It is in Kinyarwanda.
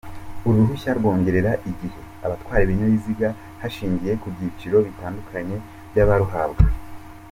Uru ruhushya rwongerera igihe abatwara ibinyabiziga hashingiye ku byiciro bitandukanye by’abaruhabwa.